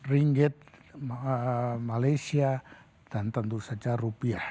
ringage malaysia dan tentu saja rupiah